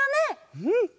うん！